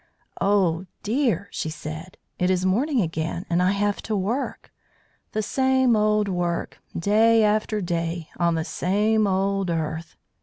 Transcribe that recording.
"Oh, dear!" she said. "It is morning again, and I have to work. The same old work, day after day, on the same old earth.